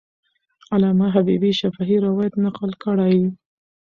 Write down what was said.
علامه حبیبي شفاهي روایت نقل کړی.